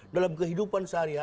dalam kehidupan sehari hari